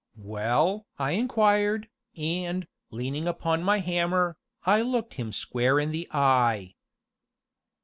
"Well?" I inquired, and, leaning upon my hammer, I looked him square in the eye.